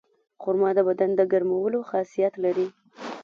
خرما د بدن د ګرمولو خاصیت لري.